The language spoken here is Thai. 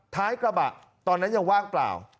ท้ายกระบะตอนนั้นยังว่างเปล่า